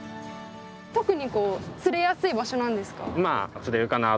特に釣れやすい場所なんですか？